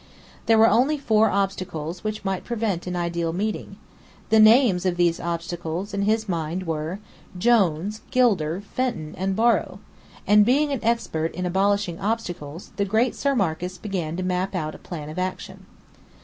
There were only four Obstacles which might prevent an ideal meeting. The names of these Obstacles, in his mind were: Jones, Gilder, Fenton, and Borrow; and being an expert in abolishing Obstacles, the great Sir Marcus began to map out a plan of action.